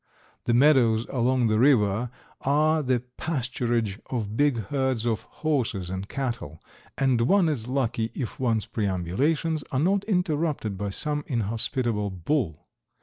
The meadows along the river are the pasturage of big herds of horses and cattle, and one is lucky if one's perambulations are not interrupted by some inhospitable bull.